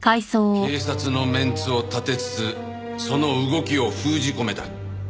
警察のメンツを立てつつその動きを封じ込めた。